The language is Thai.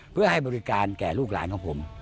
เพื่อให้บริการแก่ลูกหลานของผม